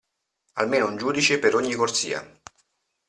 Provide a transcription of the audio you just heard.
Almeno un giudice per ogni corsia.